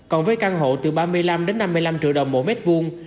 còn với căn hộ từ ba mươi năm năm mươi triệu đồng mỗi mét vuông